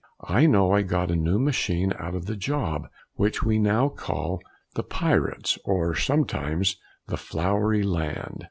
I know I got a new machine out of the job! which we now call the "Pirates," or sometimes "The Flowery Land."